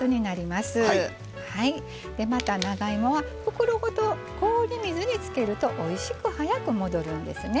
また長芋は袋ごと凍り水につけるとおいしく早く戻るんですね。